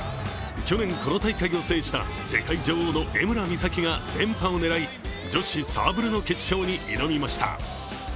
去年、この大会を制した世界女王の江村美咲が連覇を狙い、女子サーブルの決勝に挑みました。